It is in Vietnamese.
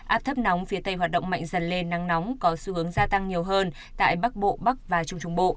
áp thấp nóng phía tây hoạt động mạnh dần lên nắng nóng có xu hướng gia tăng nhiều hơn tại bắc bộ bắc và trung trung bộ